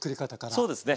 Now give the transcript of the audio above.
そうですね。